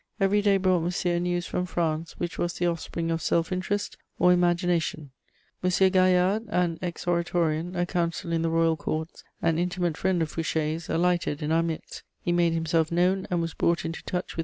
Every day brought Monsieur news from France which was the offspring of self interest or imagination. [Sidenote: Fouché, Duc D'Otrante.] M. Gaillard, an ex Oratorian, a counsel in the royal courts, an intimate friend of Fouché's, alighted in our midst; he made himself known, and was brought into touch with M.